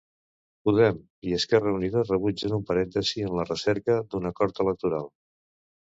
Podem i Esquerra Unida rebutgen un parèntesi en la recerca d'un acord electoral.